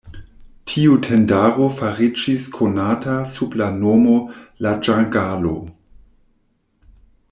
Tiu tendaro fariĝis konata sub la nomo "La Ĝangalo".